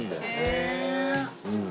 へえ！